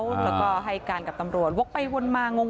แล้วก็ให้การกับตำรวจวกไปวนมางง